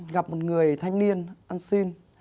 gặp một người thanh niên ăn xin